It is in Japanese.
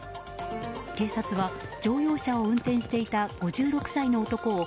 警察は乗用車を運転していた５６歳の男を